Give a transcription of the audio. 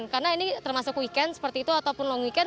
karena ini termasuk weekend seperti itu ataupun long weekend